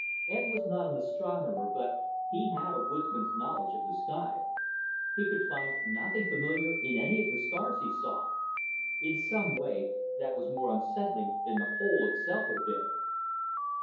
Ed was not an astronomer, but he had a woodsman's knowledge of the sky. He could find nothing familiar in any of the stars he saw. In some way, that was more unsettling than the hole itself had been.